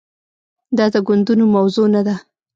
دا د ګوندونو موضوع نه ده.